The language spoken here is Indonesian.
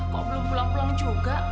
kok belum pulang pulang juga